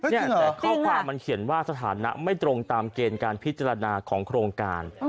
แต่ข้อความมันเขียนว่าสถานะไม่ตรงตามเกณฑ์การพิจารณาของโครงการ